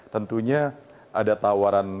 tentunya ada tawaran